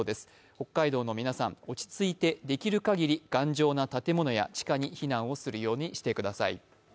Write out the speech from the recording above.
北海道の皆さん、落ち着いてできる限り頑丈な建物や地下に避難をするようにしてください。